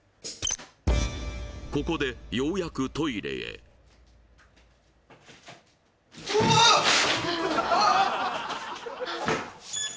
ここでようやくトイレへうわーっあっ！